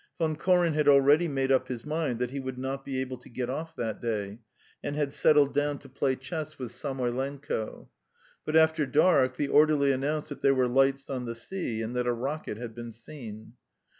Von Koren had already made up his mind that he would not be able to get off that day, and had settled down to play chess with Samoylenko; but after dark the orderly announced that there were lights on the sea and that a rocket had been seen.